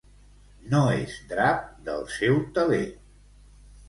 No és drap del seu teler.